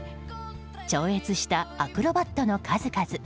超越したアクロバットの数々。